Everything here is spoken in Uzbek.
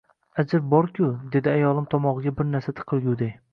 Ajr borku, dedi ayolim tomogʻiga bir narsa tiqilgudek…